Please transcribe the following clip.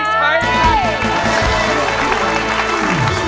ไม่ใช้